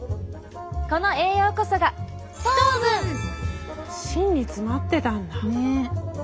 この栄養こそが芯に詰まってたんだ。ね。